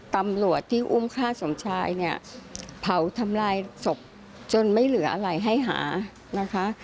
ตำรวจที่อุ้มฆ่าสมชายเนี่ยเผาทำลายศพจนไม่เหลืออะไรให้หานะคะ